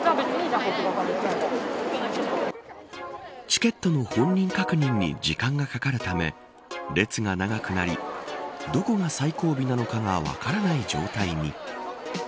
チケットの本人確認に時間がかかるため列が長くなりどこが最後尾なのかが分からない状態に。